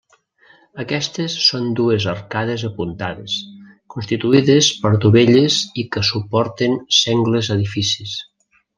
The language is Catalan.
Aquestes són dues arcades apuntades, constituïdes per dovelles i que suporten sengles edificis.